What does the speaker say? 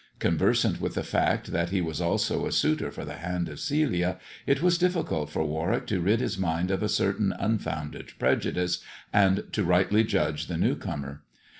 Conversant with the fact that he was also a suitor for the hand of Celia, it was difficult for Warwick to rid his mind of a certain unfounded prejudice, and to rightly judge the new comer.